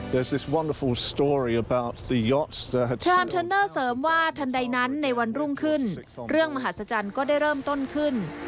เทรนเนอร์เสริมว่าทันใดนั้นในวันรุ่งขึ้นเรื่องมหาศจรรย์ก็ได้เริ่มต้นขึ้น